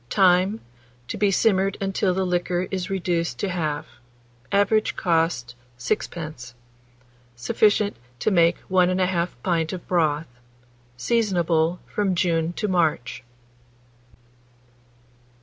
Time. To be simmered until the liquor is reduced to half. Average cost, 6d. Sufficient to make 1 1/2 pint of broth. Seasonable from June to March.